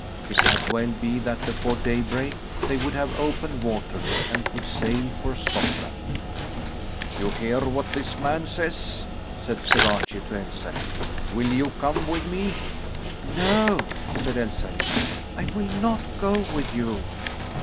It might well be that before daybreak they would have open water and could sail for Scotland. "You hear what this man says?" said Sir Archie to Elsalill. "Will you come with me?" "No," said Elsalill, "I will not go with you."